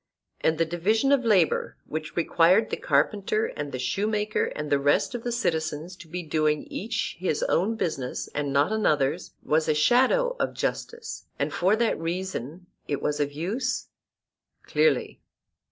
And the division of labour which required the carpenter and the shoemaker and the rest of the citizens to be doing each his own business, and not another's, was a shadow of justice, and for that reason it was of use? Clearly.